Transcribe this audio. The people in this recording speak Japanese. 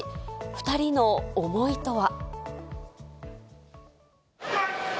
２人の思いとは。